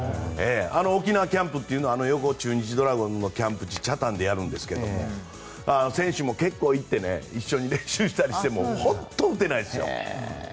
沖縄キャンプというのはよく中日ドラゴンズのキャンプを北谷でやるんですが選手も結構行って一緒に練習したりしても本当に打てないですよ。